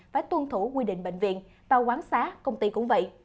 phải tuân thủ quy định bệnh viện vào quán xá công ty cũng vậy